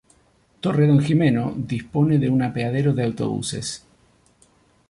Torredonjimeno dispone de una Apeadero de autobuses.